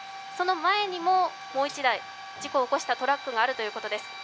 その前にももう一台、事故を起こしたトラックがあるということです。